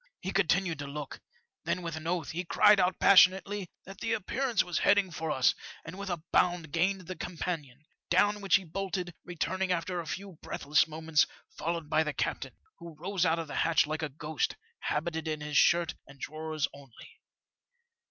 ''He continued to look; then, with an oath, he cried out passionately that the appearance was heading for us, and, with a bound, gained the companion, down which he bolted, returning after a few breathless moments followed by the captain, who rose out of the hatch like a ghost^ habited in his shirt and drawers only.